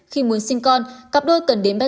khi muốn sinh con cặp đôi cần đến bác sĩ để tháo vòng